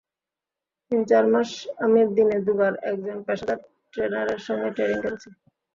তিন-চার মাস আমি দিনে দুবার একজন পেশাদার ট্রেনারের সঙ্গে ট্রেনিং করেছি।